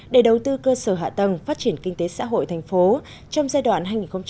để đầu tư cơ sở hạ tầng phát triển kinh tế xã hội thành phố trong giai đoạn hai nghìn một mươi tám hai nghìn hai mươi hai